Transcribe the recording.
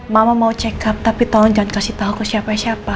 mama mau check up tapi tolong jangan kasih tahu ke siapa siapa